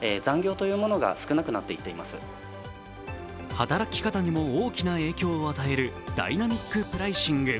働き方にも大きな影響を与えるダイナミックプライシング。